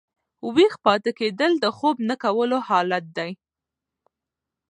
ویښ پاته کېدل د خوب نه کولو حالت دئ.